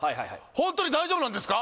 ホントに大丈夫なんですか？